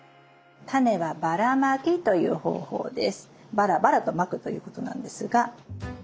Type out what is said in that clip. ばらばらとまくということなんですが。